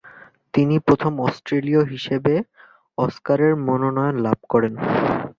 তিনি প্রথম অস্ট্রেলীয় হিসেবে অস্কারের মনোনয়ন লাভ করেন।